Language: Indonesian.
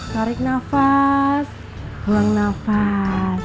tarik nafas buang nafas